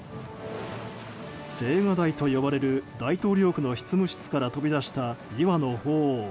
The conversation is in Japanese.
青瓦台と呼ばれる大統領府の執務室から飛び立った２羽の鳳凰。